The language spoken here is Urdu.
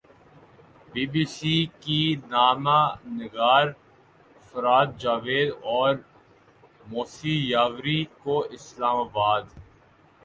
بی بی سی کی نامہ نگار فرحت جاوید اور موسی یاوری کو اسلام آباد